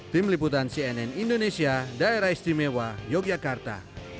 tim liputan cnn indonesia daerah istimewa yogyakarta